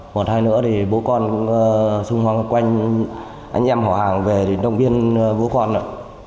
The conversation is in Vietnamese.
một hai nữa thì bố con cũng xung quanh anh em họ hàng về thì động viên bố con ạ